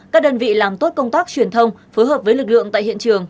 các đơn vị làm tốt công tác truyền thông phối hợp với lực lượng tại hiện trường